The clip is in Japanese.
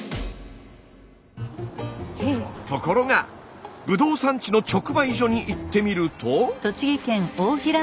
ところがブドウ産地の直売所に行ってみると。